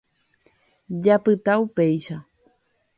Japyta upéicha.